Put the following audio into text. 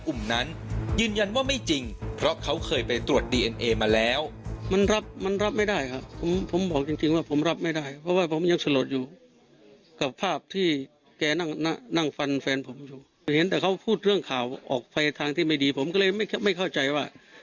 และอุ่มนั้นยืนยันว่าไม่จริงเพราะเค้าเคยไปตรวจดีเอ็นเอมาแล้ว